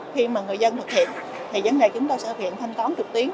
thì vấn đề chúng tôi sẽ viện thanh toán trực tuyến